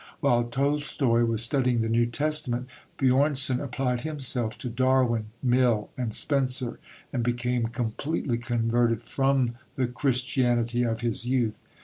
While Tolstoi was studying the New Testament, Björnson applied himself to Darwin, Mill, and Spencer, and became completely converted from the Christianity of his youth.